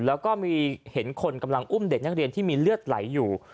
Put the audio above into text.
แล้วก็มีเห็นคนกำลังอุ้มเด็กนักเรียนที่มีเลือดไหลอยู่